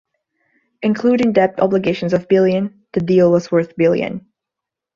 Including debt obligations of billion, the deal was worth billion.